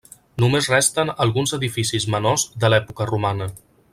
Només resten alguns edificis menors de l'època romana.